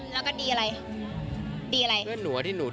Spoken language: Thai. ชอบอะไรที่โรงเรียนลูก